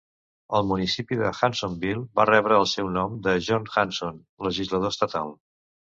El municipi de Hansonville va rebre el seu nom de John Hanson, legislador estatal.